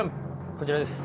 こちらです。